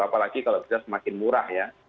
apalagi kalau bisa semakin murah ya